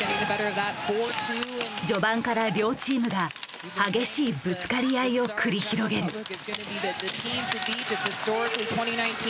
序盤から両チームが激しいぶつかり合いを繰り広げる。